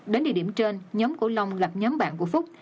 đến địa điểm trên nhóm của long lập nhóm bạn của phúc